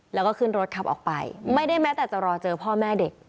แล้วก็ขึ้นรถขับออกไปไม่ได้แม้แต่จะรอเจอพ่อแม่เด็ก